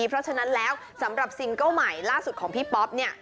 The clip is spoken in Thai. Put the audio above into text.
เพราะฉะนั้นแล้วสำหรับซิงเกิ้ลใหม่ล่าสุดของพี่ป๊อปเนี่ย